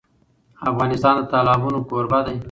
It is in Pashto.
افغانستان د تالابونه کوربه دی.